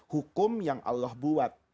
hukum yang allah buat